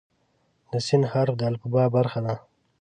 د "س" حرف د الفبا برخه ده.